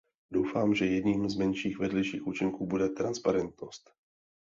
Doufám, že jedním z menších vedlejších účinků bude transparentnost.